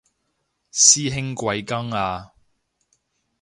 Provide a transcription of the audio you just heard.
師兄貴庚啊